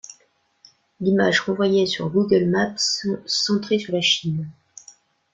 L'image renvoyait sur Google Maps centré sur la Chine.